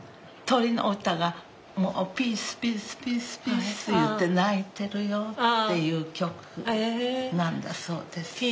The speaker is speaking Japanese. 「鳥の歌がピースピースピースピース言って鳴いてるよ」っていう曲なんだそうです。